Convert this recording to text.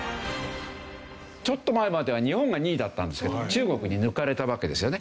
ちょっと前までは日本が２位だったんですけど中国に抜かれたわけですよね。